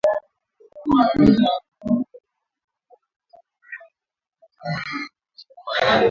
John Muhindi huwatembeza wote kutoka kikosi cha sitini na tano cha jeshi la Rwanda